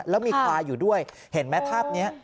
แล้วมีควายอยู่ด้วยเห็นไหมภาพนี้